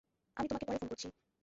আমি তোমাকে পরে ফোন করছি।